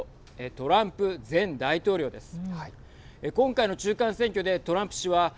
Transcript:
トランプ前大統領です。